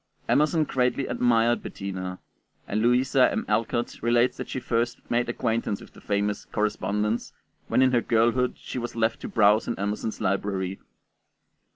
Emerson greatly admired Bettina, and Louisa M. Alcott relates that she first made acquaintance with the famous 'Correspondence' when in her girlhood she was left to browse in Emerson's library.